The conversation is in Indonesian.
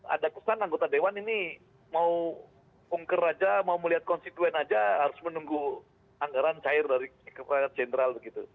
ada kesan anggota dewan ini mau ungker aja mau melihat konstituen aja harus menunggu anggaran cair dari kepala jenderal begitu